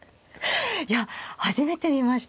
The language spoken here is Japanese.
いや初めて見ました。